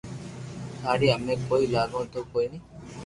ٿاري امي ڪوئي لاگو تو ڪوئي ني